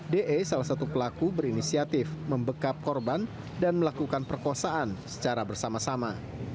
de salah satu pelaku berinisiatif membekap korban dan melakukan perkosaan secara bersama sama